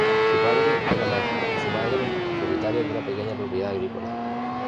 Su padre era maestro y su madre propietaria de una pequeña propiedad agrícola.